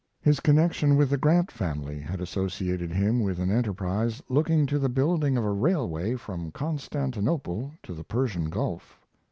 His connection with the Grant family had associated him with an enterprise looking to the building of a railway from Constantinople to the Persian Gulf.